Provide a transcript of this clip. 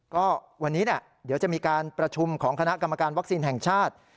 ก็วันนี้เดี๋ยวจะมีการประชุมของคณะกรรมการวัคซีนแห่งชาติ